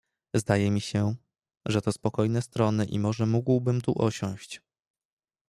"Zdaje mi się, że to spokojne strony i może mógłbym tu osiąść."